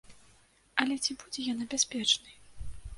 Але ці будзе яна бяспечнай?